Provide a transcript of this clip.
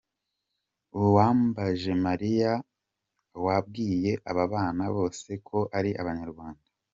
Uwambajemariya yabwiye aba bana bose ko ari Abanyarwanda.